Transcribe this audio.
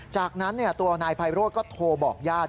จากนั้นตัวนายไพโรธก็โทรบอกญาติ